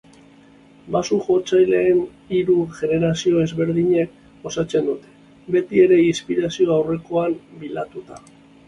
Baxu-jotzaileen hiru generazio ezberdinek osatzen dute, beti ere inspirazioa aurrekoan bilatuta.